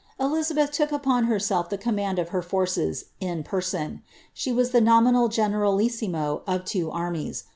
Knabeth took upon herself the command of her forces in person, was the nominal generalissimo of two armies.